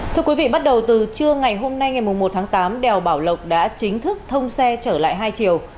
thưa quý vị bắt đầu từ trưa ngày hôm nay ngày một tháng tám đèo bảo lộc đã chính thức thông xe trở lại hai chiều